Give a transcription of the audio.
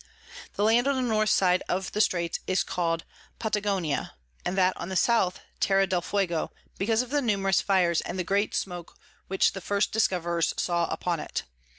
The Land on the North side of the Straits is call'd Patagonia, and that on the South Terra del Fuego, because of the numerous Fires and the great Smoke which the first Discoverers saw upon it.